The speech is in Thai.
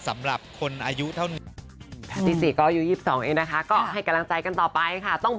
สำหรับคนอายุเท่านี้